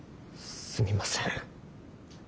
すみません。